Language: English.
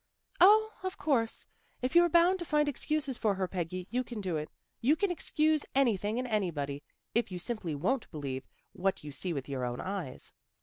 " O, of course, if you're bound to find excuses for her, Peggy, you can do it. You can excuse anything in anybody, if you simply won't believe what you see with your own eyes."